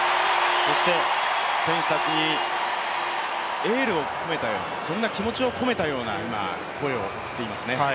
そして、選手たちにエールを含めたような、そんな気持ちを込めたような声を送っていますね。